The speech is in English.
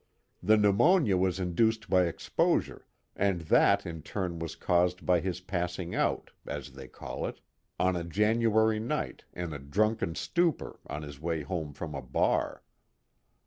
The pneumonia was induced by exposure, and that in turn was caused by his passing out, as they call it, on a January night, in a drunken stupor, on his way home from a bar."